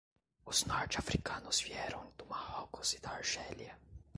Os norte-africanos vieram do Marrocos e da Argélia.